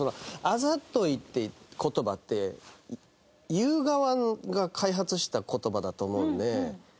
「あざとい」って言葉って言う側が開発した言葉だと思うんで。